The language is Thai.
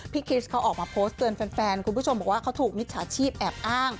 คริสเขาออกมาโพสต์เตือนแฟนคุณผู้ชมบอกว่าเขาถูกมิจฉาชีพแอบอ้าง